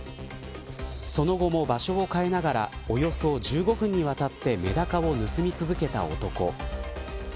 その後も場所を変えながらおよそ１５分にわたってメダカを盗み続けた男。